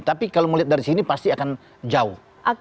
tapi kalau melihat dari sini pasti akan jauh